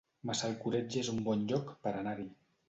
Massalcoreig es un bon lloc per anar-hi